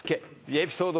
エピソード